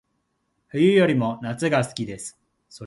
冬よりも夏が好きです